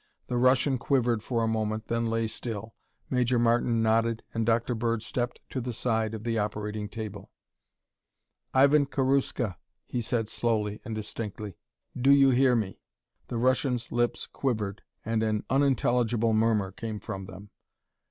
The Russian quivered for a moment and then lay still. Major Martin nodded and Dr. Bird stepped to the side of the operating table. "Ivan Karuska," he said slowly and distinctly, "do you hear me?" The Russian's lips quivered and an unintelligible murmur came from them.